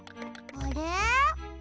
あれ？